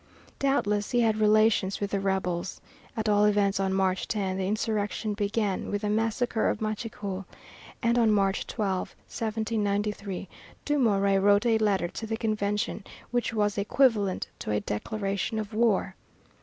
Doubtless he had relations with the rebels. At all events, on March 10, the insurrection began with the massacre of Machecoul, and on March 12, 1793, Dumouriez wrote a letter to the Convention which was equivalent to a declaration of war.